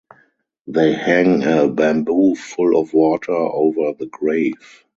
They hang a bamboo full of water over the grave.